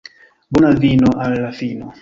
Bona vino al la fino.